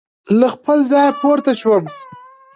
له خپل ځایه پورته شو.